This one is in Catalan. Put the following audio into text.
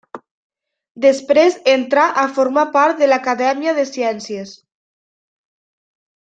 Després entrà a formar part de l'Acadèmia de ciències.